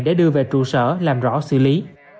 để đưa về trụ sở làm rõ xử lý